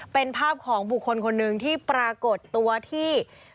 เป็นภาพของบุคคลคนหนึ่งที่ปรากฏตัวที่